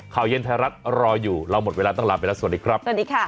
ข่าวเย็นไทยรัฐรออยู่เราหมดเวลาต้องลาไปแล้วสวัสดีครับสวัสดีค่ะ